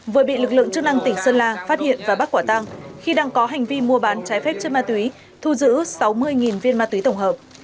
vừa bị lực lượng chức năng tỉnh sơn la phát hiện và bắt quả tăng khi đang có hành vi mua bán trái phép chất ma túy thu giữ sáu mươi viên ma túy tổng hợp